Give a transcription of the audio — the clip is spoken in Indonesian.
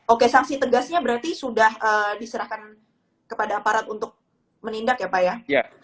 oke sanksi tegasnya berarti sudah diserahkan kepada aparat untuk menindak ya pak ya